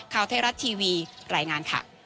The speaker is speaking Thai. ข่าวไทยรัฐทีวีรายงานค่ะ